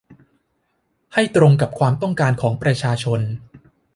ให้ตรงกับความต้องการของประชาชน